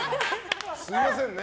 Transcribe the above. すみませんね。